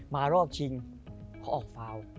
มารอบชิงเขาออกฟาว